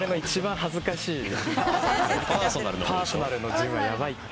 パーソナルのジムはヤバいって。